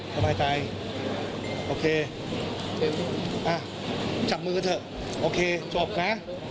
สบายโอเคจับมือก็เถอะโอเคจบนะ